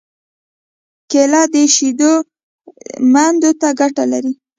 کېله د شېدو میندو ته ګټه لري.